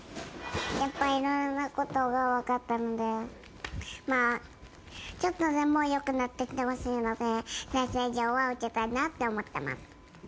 やっぱりいろいろなことが分かったので、ちょっとでもよくなっていってほしいので、再生医療は受けたいなって思ってます。